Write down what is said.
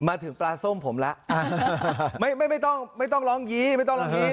มาถึงปลาส้มผมแล้วไม่ต้องไม่ต้องร้องยี้ไม่ต้องร้องยี้